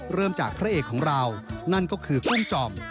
เริ่มจากพระเอกของเรานั่นก็คือกุ้งจอม